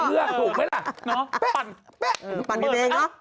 ถูกไหมล่ะปั่นปั่นกันเองเนอะ